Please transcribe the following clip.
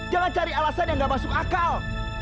jangan cari alasan yang gak masuk akal